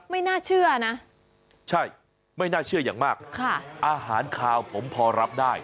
ไม่น่าเชื่อนะใช่ไม่น่าเชื่ออย่างมากค่ะอาหารคาวผมพอรับได้